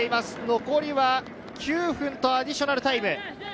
残りは９分とアディショナルタイム。